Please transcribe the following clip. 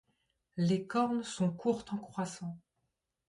Les cornes sont courtes en croissant.